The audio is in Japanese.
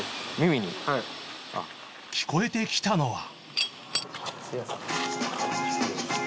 聞こえてきたのは